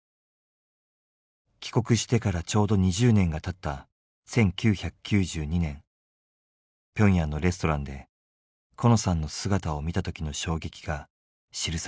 帰国してからちょうど２０年がたった１９９２年ピョンヤンのレストランでコノさんの姿を見た時の衝撃が記されています。